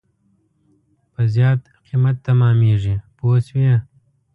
په زیات قیمت تمامېږي پوه شوې!.